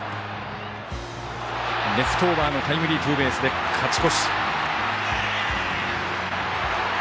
レフトオーバーのタイムリーツーベースで勝ち越し。